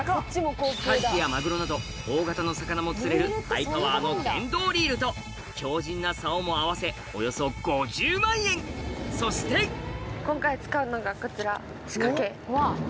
カジキやマグロなど大型の魚も釣れるハイパワーの電動リールと強靱な竿も合わせおよそ５０万円そして今回使うのがこちら仕掛け。